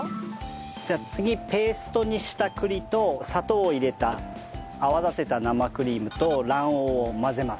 じゃあ次ペーストにした栗と砂糖を入れた泡立てた生クリームと卵黄を混ぜます。